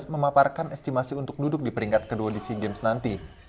memaparkan estimasi untuk duduk di peringkat kedua di sea games nanti